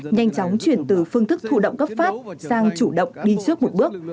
nhanh chóng chuyển từ phương thức thủ động cấp phát sang chủ động đi trước một bước